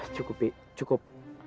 cukup pi cukup